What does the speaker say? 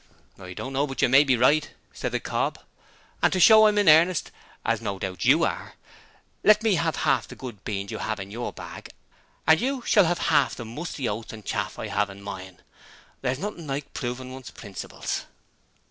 'I don't know but you may be right,' said the cob, 'and to show I'm in earnest, as no doubt you are, let me have half the good beans you have in your bag, and you shall have half the musty oats and chaff I have in mine. There's nothing like proving one's principles.'